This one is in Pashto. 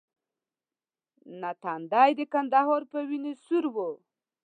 نه تندی د کندهار په وینو سور وو.